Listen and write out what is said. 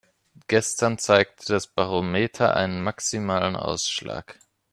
Gestern zeigte das Barometer einen maximalen Ausschlag.